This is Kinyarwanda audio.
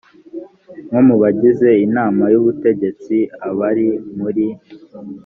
nko mu bagize inama y ubutegetsi abari muri